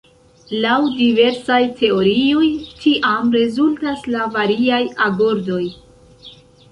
Laŭ diversaj teorioj tiam rezultas la variaj agordoj.